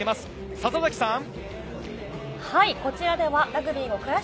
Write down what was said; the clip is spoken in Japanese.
笹崎さん！